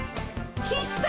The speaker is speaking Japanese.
必殺！